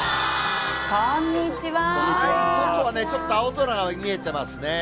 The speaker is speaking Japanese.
外はね、ちょっと青空が見えてますね。